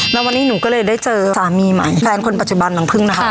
แล้ววันนี้หนูก็เลยได้เจอสามีใหม่แฟนคนปัจจุบันรังพึ่งนะคะ